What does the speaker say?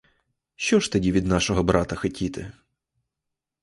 Що ж тоді від нашого брата хотіти?